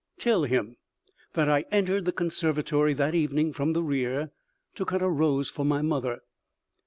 "Tell him that I entered the conservatory that evening from the rear, to cut a rose for my mother.